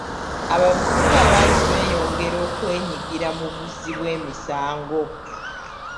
Abavubuka bangi beyongera okwenyigira mu buzzi bw'emisango.